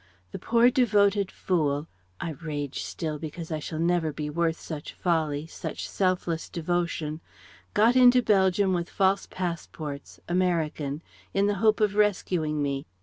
The poor devoted fool I rage still, because I shall never be worth such folly, such selfless devotion got into Belgium with false passports American: in the hope of rescuing me.